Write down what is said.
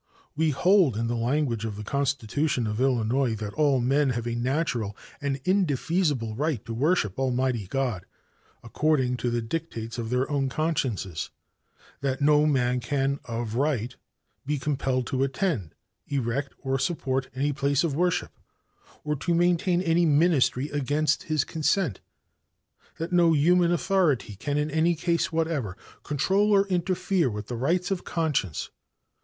"We hold, in the language of the Constitution of Illinois, that all men have a natural and indefeasible right to worship Almighty God according to the dictates of their own consciences, that no man can of right be compelled to attend, erect or support any place of worship, or to maintain any ministry against his consent, that no human authority can in any case whatever control or interfere with the rights of conscience.